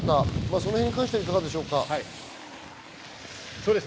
その辺に関していかがですか？